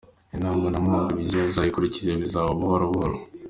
inama mwamugiriye azikurikize bizaza buhoro buhoro.